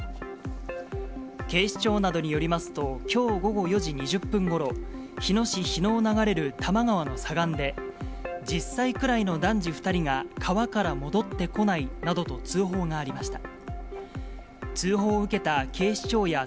警視庁などによりますと、きょう午後４時２０分ごろ、日野市日野を流れる多摩川の左岸で、１０歳くらいの男児２人が川から戻ってこないなどと通報がありました。